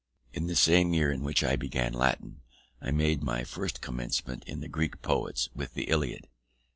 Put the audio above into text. In the same year in which I began Latin, I made my first commencement in the Greek poets with the Iliad.